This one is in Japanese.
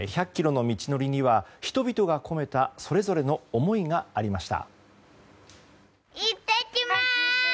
１００ｋｍの道のりには人々が込めたそれぞれの思いがありました。